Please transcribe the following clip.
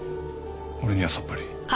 俺にはさっぱり。